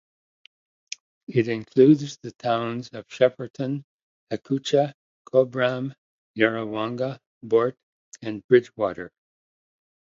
It includes the towns of Shepparton, Echuca, Cobram, Yarrawonga, Boort and Bridgewater.